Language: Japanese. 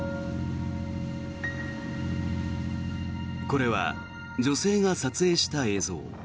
これは、女性が撮影した映像。